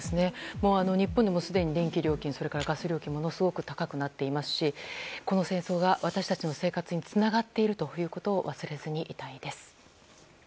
日本もすでに電気料金などがものすごく高くなっていますしこの戦争が私たちの生活につながっていることを忘れずにいたいです。